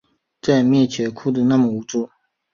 在面前哭的那么无助